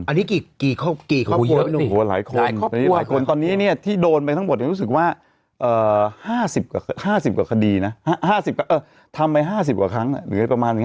อันนี้กี่ครบหลายคนตอนนี้เนี่ยที่โดนไปทั้งหมดรู้สึกว่า๕๐กว่าคดีนะทำไว้๕๐กว่าครั้งเหลือประมาณนี้